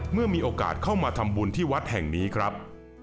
เมื่อมีโอกาสเข้ามาทำบุญที่วัดแห่งนี้ครับ